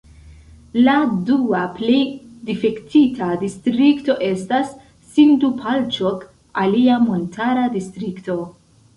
La dua plej difektita distrikto estas Sindupalĉok, alia montara distrikto.